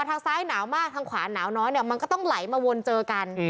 ทางซ้ายหนาวมากทางขวาหนาวน้อยเนี่ยมันก็ต้องไหลมาวนเจอกัน